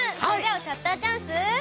それではシャッターチャンス！